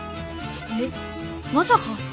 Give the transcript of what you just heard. えっまさか。